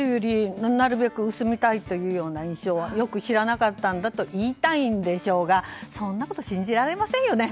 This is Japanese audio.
なるべく薄めたいというような印象がよく知らなかったんだと言いたいんでしょうがそんなこと、信じられませんよね。